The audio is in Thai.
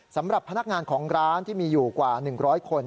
สำหรับพนักงานของร้านที่มีอยู่กว่า๑๐๐คน